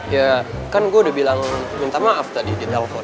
ya kan gue udah bilang minta maaf tadi di telpon